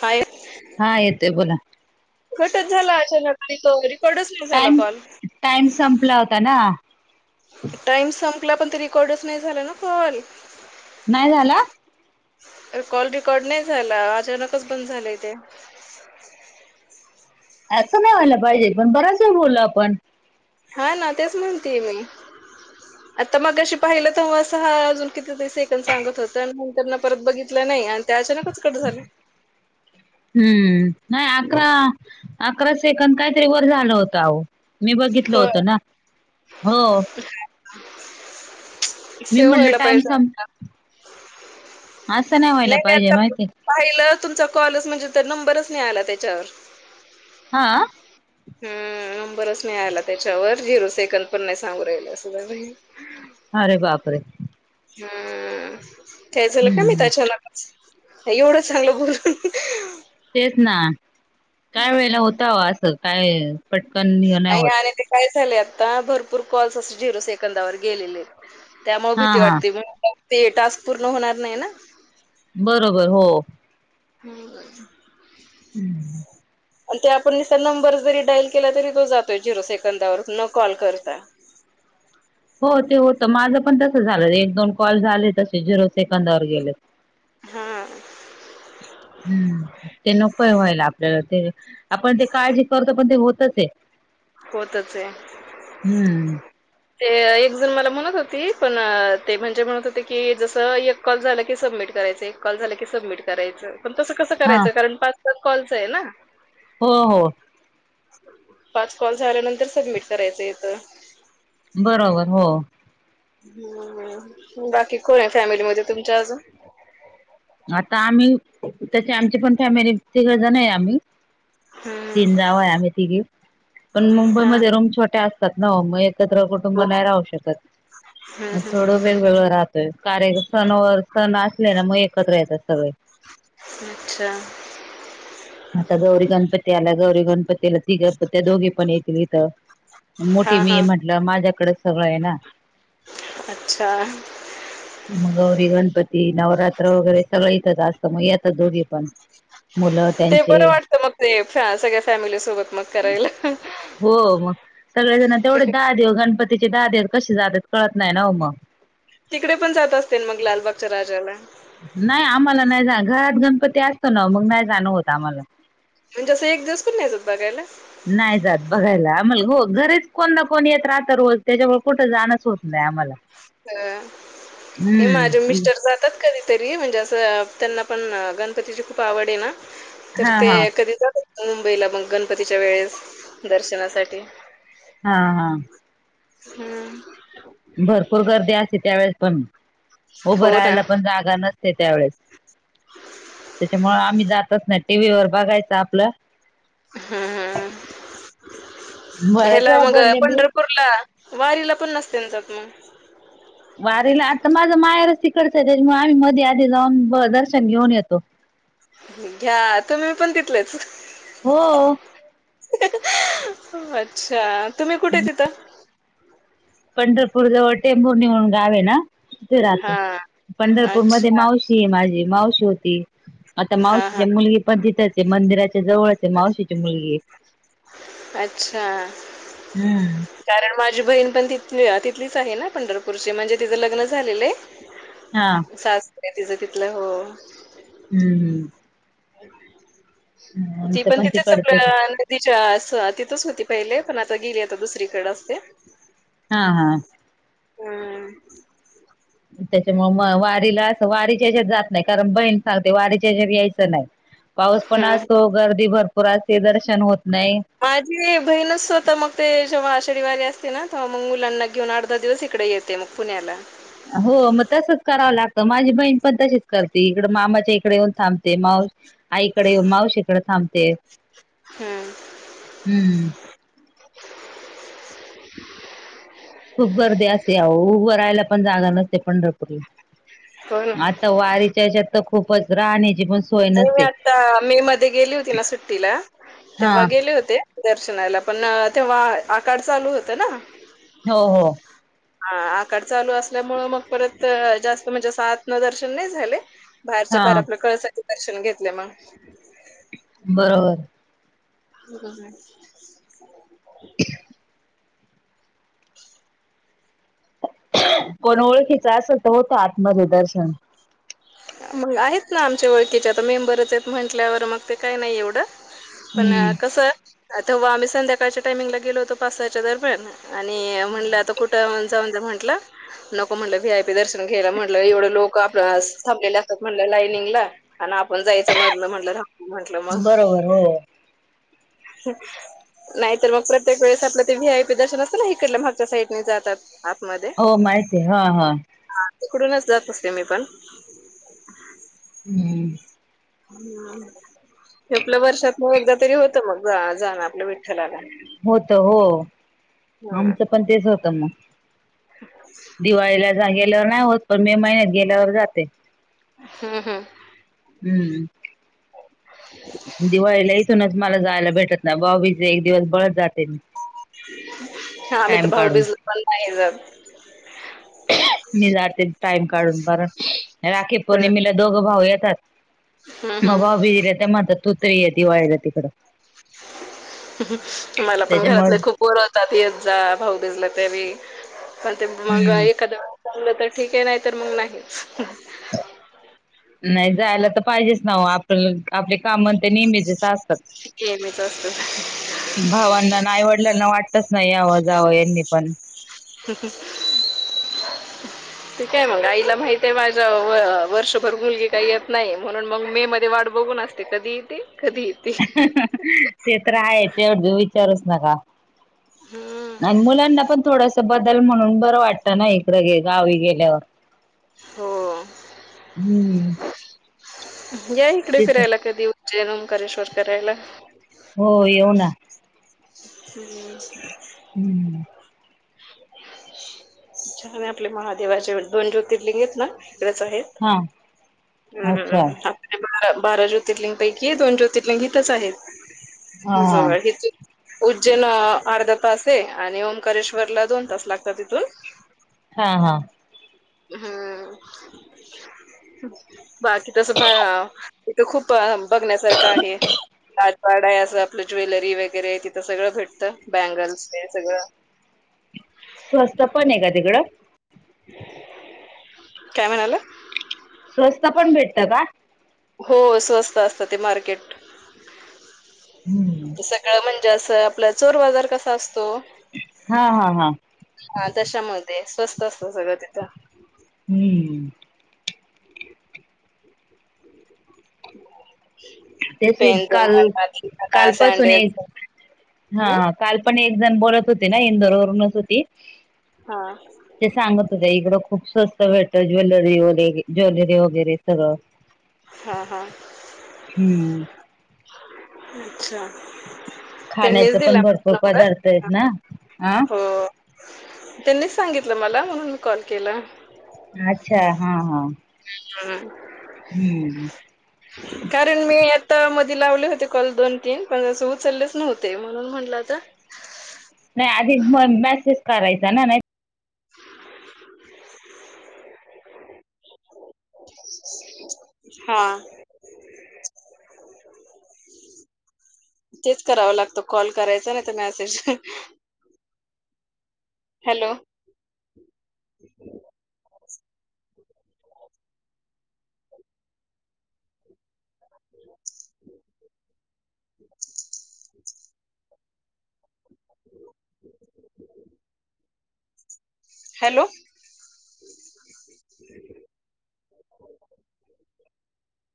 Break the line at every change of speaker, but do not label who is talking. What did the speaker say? हाय.
हा येतोय बोला.
कटच झाला अचानक आणि तो रेकॉर्डच नाही झाला
टाइम
कॉल
टाइम संपला होता ना.
टाइम संपला पण ते रेकॉर्डच नाही झाला ना कॉल
नाही झाला.
कॉल रेकॉर्ड नाही झाला अचानकच बंद झालेय ते
असं नाही व्हायला पाहिजे पण बराच वेळ बोललो आपण
हा ना तेच म्हणते मी आता मगाशी पाहिलं तेव्हा असं सहा वाजून किती तरी सेकंद सांगत होत आणि नंतरन परत बघितलं नाही अन ते अचानकच कट झाल
[unintelligible] हम्म नाही अकरा, अकरा सेकंद काहीतरी वर झालं होत आहो मी बघितलं
होय
होतं ना हो
[unintelligible]
मी
सेव्ह
म्हटलं
व्हायला
टाइम
पाहिजे होत आत्ता
संप असं
नाही,
व्हायला
नाही
पाहिजे
आता
माहिती
पाहिलं तुमचा कॉलच म्हणजे ते नंबरच नाही आला त्याच्यावर
हा आ
हम्म नंबरच नाही आला त्याच्यावर झिरो सेकंद पण नाही सांगू राहिल अस झालं
अरे बापरे!
हा काय झालं काय माहिती
हम्म
अचानक एवढं चांगलं बोलुन
तेच ना काय वेळेला होतओ असं काय पटकन हे
नाही
होत
आणि ते काय झालय आता भरपूर कॉल्स अस झिरो सेकंदावर गेलेले त्यामुळे
हा
भीती
हा
वाटती ते टास्क पूर्ण होणार नाही ना
बरोबर हो
[unintelligible]
हम्म
ते आपण निस्त नंबर जरी डाईल केला तरी तो जातोय झिरो सेकंदावर न कॉल करता
हो ते होत माझं पण तस झालं एक दोन कॉल झाले तसे झिरो सेकंदावर गेलेत
हा
[unintelligible] हम्म ते नकोय व्हायला आपल्याला ते आपण ते काळजी करतो पण ते होतच ये
होतच ये
हम्म
ते एक जण मला म्हणत होती पण ते म्हणजे म्हणत होते की जस एक कॉल झालं की सबमिट करायचं, एक कॉल झालं की सबमिट करायचं पण तसं कसं
हा
करायचं कारण पाच, पाच कॉलचं आहे ना
हो, हो
[unintelligible] पाच कॉल झाल्यानंतर सबमिट करायचं येतं
बरोबर हो
बाकी कोण आहे फॅमिलीमध्ये तुमच्या अजून
आता आम्ही तसे आमची पण फॅमिली तिघ जणं आहे आम्ही
हम्म
तीन जावा आहे आम्ही तिघी पण मुंबई
हा.
मध्ये रूम छोट्या अस तात ना ओ मग एकत्र कुटुंब
हो
नाही राहू शकत
हम्म
मग
हम्म
थोडं वेगवेगळं राहतोय कार्य सनवर सण असले ना मग एकत्र येतात सगळे
अच्छा
आता गौरी गणपती आला गौरी गणपतीला तीघ त्या दोघी पण येतील इथं मोठी
हा
मी
हा
म्हंटल्यावर माझ्याकडेच सगळं आहे ना
अच्छा
[unintelligible] मग गौरी गणपती नवरात्र वगैरे सगळं इथंच असतं मग येतात दोघी पण मुलं
ते
त्यांचे
बर वाटतं मग ते सगळ्या फॅमिली सोबत मग करायला
हो मग सगळेजण तेवढेच दहा दिवस गणपतीचे दहा कसे जातात कळत नाही ना हो मग
तिकडे पण जात असतिल मग लालबागच्या राजाला.
नाही आम्हाला नाही जा घरात गणपती असतो ना हो मग नाही जाणं होत आम्हाला.
म्हणजेअसं एक दिवस पण नाही जात बघायला.
नाही जात बघायला आम्हाला हो घरच कोणा ना कोणी येत राहत रोज त्याच्यामुळे कुठं जाणच होत नाही आम्हाला.
अ हे माझे
हम्म
मिस्टर जर. येतात कधीतरी म्हणजे असं त्यांना पण गणपतीची खूप आवड आहे ना. तर
हा
ते
हा
कधी जातात मुंबईला मग गणपतीच्या वेळेस दर्शनासाठी.
हा हा.
हम्म.
भरपूर गर्दी असते त्यावेेळेस पण उभं
हो ना
राहायला पण जागा नसते त्यावेेळेस. त्याच्यामुळे आम्ही जातच नाही टीव्ही वर बघायचं आपलं.
हम्म हम्
बऱ्याच
ह्याला
वेळा
मग पंढर.
बोलले मी
पंढरपुरला वारीला पण नसते जात मग.
वारीला आता माझ माहेरच तिकडच आहे त्याच्यामुळे आम्ही मध्ये आधी जाऊन दर्शन घेऊन येतो.
घ्या तुम्ही पण तिथलेच.
हो.
[unintelligible] अच्छा, तुम्ही कुठे तिथ.
पंढरपूर जवळ टेंबूरणी म्हणुन गाव आहे ना, तिथे राहते.
हा
पंढरपूर मध्ये
अच्छा
माऊशी. शी हे माझी मावशी होती. आता
हा हा
मावशीची मुलगी पण तिथच आहे, मंदिराच्या जवळ. मावशीची मुलगी
अच्छा
हम्म.
कारण माझी बहीण पण तिथ तिथलीच आहे ना, पंढरपूरची म्हणजे तिचं लग्न झालेलं आहे.
हा.
सासरी तिचं तिथल हो.
हम्म. हम्म
ती
आमचं
पण तिथेच
तिकडचच
चकल्या ली. तिच्या तिथच होती पहिले, पण आता गेली, आता दुसरीकडे असते.
हा, हा.
हम.
त्याच्यामुळे म वारीला असं वारीच्या ह्याच्यात जात नाही, कारण बहीण सांगते वारीच्याच्यात यायचं नाही. पाऊस पण
हम्म
असतो, गर्दी भरपूर असते, दर्शन होत नाही.
माझी बहीणच स्वतः मग ते जेव्हा आषढी वारी असते ना, तेव्हा मग मुलांना घेऊन आठ, दहा दिवस इकडे येते मग. पुण्याला.
हो, मग तसच करावं लागतं. माझी बहीण पण तशीच करते, इकड मामाच्या इकडे येऊन थांबते. आईकडे, येवुन मावशीकडे थांबते.
हम्म.
हह.
[unintelligible]
खूप गर्दी असते, आहो उभे राहायला पण जागा नसते, पंढरपूरला.
हो ना.
त्या वारीच्या ह्याच्यात. तर खूपच राहण्याची पण सोय
हो मी
नसते
आता मे मध्ये गेली होती ना सुट्टीला.
हा
तेव्हा गेले होते दर्शनाला, पण तेव्हा आकाड चालू होत ना.
हो, हो.
ह आकाड चालू असल्यामुळे, मग परत जास्त म्हणजे, अस आतन दर्शन नाही झाले. बाहेरच्या,
हा
बाहेर आपल्या कळसाचे दर्शन घेतले मग.
बरोबर.
हो. ह [inaudible]
पण ओळखीच असं तर होतं आत मधे दर्शन.
आहेत ना, आमच्या ओळखीचे मेंबरच आहेत, म्हंटल्यावर मग ते काय नाही एवढं. पण
हम्म.
कस तवा आम्ही संध्याकाळच्या टायमिंगला गेलो होतो पाच, सहाच्या या दरम्यान. आणि म्हणलं आता कुठं मग. जाऊदे म्हटलं, नको म्हटलं वीआयपी दर्शन घ्यायला, म्हटलं एवढं लोक आपलं. थांबले असत्यात म्हटलं लाईनिंगला आणि आपण जायचं मधल म्हटलं. म्हंटलं मग.
बरोबर हो
नाही तर प्रत्येक वेळेस आपलं ते व्हीआयपी दर्शन असतं ना, इकडल्या मागच्या साईडने जातात आत मध्ये.
हो माहिती आहे हा, हा.
हा तिकडूनच जात असते मी पण.
हम्म.
ह् हे आपल्या वर्षात ना एकदा तरी होतं, मग जाणं आपलं विठ्ठलाला.
होत हो,
हा
आमचं पण तेच होतं मग. दिवाळीला गेल्यावर नाही होत, पण मे महिन्यात गेल्यावर जाते.
हम्म, हम्म.
हम्म. दिवाळीला इथूनच मला जायला भेटत नाही, भाऊबिजला एक दिवस बळच जाते.
हा आम्ही तर
टाइम काढून
भाऊबिजला, पण नाही जात.
मी जातते टाइम काढून बर राखी
हं.
पौर्णिमीेला दोघं भाऊ येतात.
हम्म
मग बाबीरे त्या मझ तोतरी आहे ती दिवाळीला तिकडं.
मला पण
त्याच्यामुळे
घरातले खूप बोलवतात येत जा भाऊबीजला तरी पण ते मग
हम्म
एखाद्या जमल तर ठीक आहे नाही तर मग नाहीच.
नाही जायला तर पाहिजेच नाव आपल्याला आपले काम तर नेहमीे चे असतात.
नेहमीच असतं.
भावांना ना आई वडिलांना वाटतच ना यावं जावंई यांनी पण.
[unintelligible]
[inaudible]
ठीकय मग आईला माहितय माझ्या वर्षभर मुलगी काही येत नाही म्हणून मग मे मध्ये वाट बघून असते. ते कधी येती कधी येती.
ते तर आहे तेवढ विचारूच नका.
हम्म.
आणि मुलांना पण थोडस बदल म्हणून बरं वाटतं ना इकडं गावी गेल्यावर.
हो
हम्म
या इकडे
तेच
फिरायला कधी जेनम करेश्वर फिरायला.
हो येऊ ना.
[inaudible]
[inaudible]
छ आपले महादेवाचे दोन ज्योतिर्लिंग आहेत ना इकडेच आहेत.
हा अच्छा
हम्मम बारा ज्योतिर्लिंगपैकी दोन ज्योतिर्लिंग हीतच आहेत
हा हा
जवळ ह उज्जैन अर्धा तास आहे आणि ओंकारेश्ववरला दोन तास लागतात तिथून.
हा हा.
हम्म बाकी तस बा इथं खूप बघण्यासारखं आहे. राजवाड आहे असं, आपलं ज्वेलरी वगैरे तिथं सगळं भेटतं बँगल्स हे सगळं
स्वस्त पण आहे का तिकड?
काय म्हणालात?
स्वस्त पण भेटत का?
हो स्वस्त असत ते मार्केट.
हम्म
सगळं म्हणजे, असं आपला चोर बाजार कसा असतो
हा हा हा.
हा तशामध्ये, स्वस्त असतं सगळं ते.
हम्म. तेच की
पेन,
काल काल पासून यायच,
सॅन्डल्स हं?
हा कालपण एक जण बोलत होती ना, इंदोर वरूनच होती
हा
ते सांगत होत्या, इकडं खूप स्वस्त भेटत ज्वेलरी वगैे ज्वेलरी वगैरे सगळं.
हा हा
हम्म
अच्छा त्यांनीच
खाण्याच
दिला
पण
म
भरपूर
नंबर?,
पदार्थ आहेत ना
हा हो त्यांनीच सांगितलं मला म्हणून मी कॉल केला.
अच्छा हा हा
[unintelligible]
हम्म
[unintelligible] कारण मी आता मध्ये लावले होते कॉल दोन-तीन पण, अस उचललेच नव्हते म्हणून म्हटलं आता
नाही आधी म मॅसेज करायचा ना, नाही म आहे
हा तेच करावं लागतं कॉल करायचा नाही, तर मॅसेज. Hello hello [unintelligible]